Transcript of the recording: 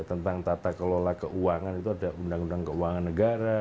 tentang tata kelola keuangan itu ada undang undang keuangan negara